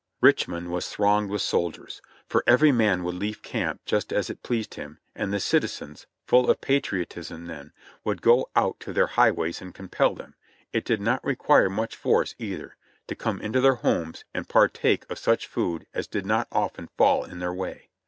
Richmond was thronged with soldiers, for every man would leave camp just as it pleased him, and the citizens, full of patriot ism then, would go out to their highways and compel them — it did not require much force either — to come into their homes and partake of such food as did not often fall in their way.